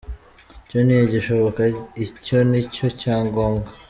Cyo ntigishoboka, icyo ni cyo cyangombwa.”